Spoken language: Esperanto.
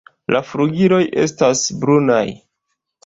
La flugiloj estas brunaj.